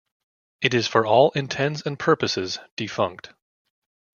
It is for all intents and purposes defunct.